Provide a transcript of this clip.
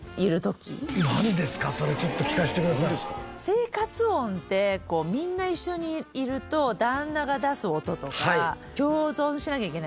生活音ってみんな一緒にいると旦那が出す音とか共存しなきゃいけないじゃないですか。